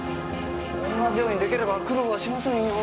同じように出来れば苦労はしませんよ。